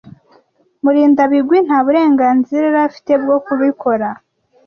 Murindabigwi nta burenganzira yari afite bwo kubikora.